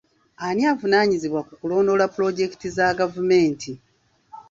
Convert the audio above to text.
Ani avunaanyizibwa ku kulondoola pulojekiti za gavumenti?